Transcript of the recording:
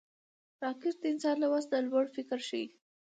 راکټ د انسان له وس نه لوړ فکر ښيي